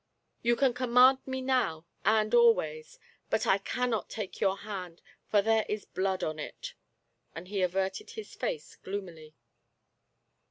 You can command me now, and always, but I cannot take your hand, for there is blood on it! " and he averted his face gloomily.